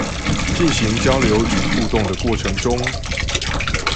進行交流與互動的過程中